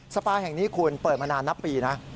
ปาแห่งนี้คุณเปิดมานานนับปีนะ